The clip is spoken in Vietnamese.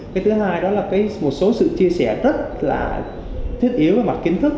cái thứ hai đó là một số sự chia sẻ rất là thiết yếu và mặc kiến thức